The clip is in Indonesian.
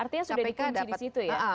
artinya sudah dikunci disitu ya